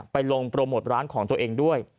ลงโปรโมทร้านของตัวเองด้วย